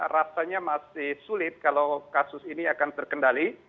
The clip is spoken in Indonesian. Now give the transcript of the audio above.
rasanya masih sulit kalau kasus ini akan terkendali